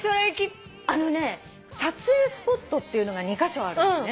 あのね撮影スポットっていうのが２カ所あるのね。